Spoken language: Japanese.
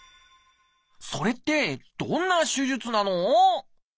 それってどんな手術なの？